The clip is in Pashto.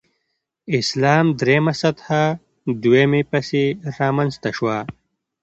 اسلام درېمه سطح دویمې پسې رامنځته شوه.